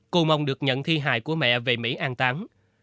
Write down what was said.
cô mong được nhận thi hài của mẹ về mỹ an tán